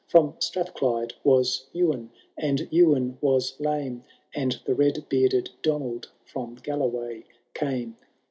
From Strath Clwyde was Ewain, and Ewain was lame. And the led bearded Donald from Galloway came.